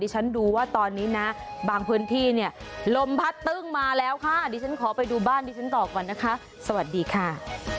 ฉันดูว่าตอนนี้นะบางพื้นที่เนี่ยลมพัดตึ้งมาแล้วค่ะดิฉันขอไปดูบ้านดิฉันต่อก่อนนะคะสวัสดีค่ะ